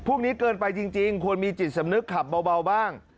พวกนี้เกินไปจริงควรมีจิตสำนึกขับเบาบ้าง